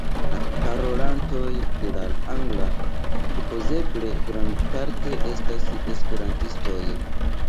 La parolantoj de la angla supozeble grandparte estas esperantistoj.